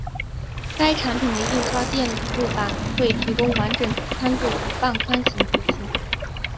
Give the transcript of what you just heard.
该产品的印刷电路板会提供完整宽度与半宽型出现。